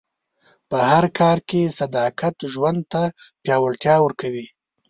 په هر کار کې صداقت ژوند ته پیاوړتیا ورکوي.